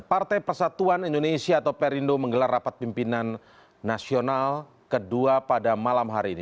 partai persatuan indonesia atau perindo menggelar rapat pimpinan nasional kedua pada malam hari ini